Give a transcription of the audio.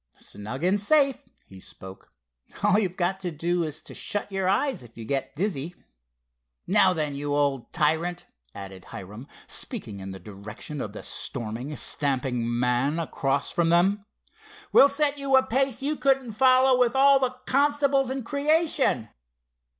"Snug and safe," he spoke. "All you've got to do is to shut your eyes if you get dizzy. Now then, you old tyrant!" added Hiram speaking in the direction of the storming stamping man across from them, "we'll set you a pace you couldn't follow with all the constables in creation."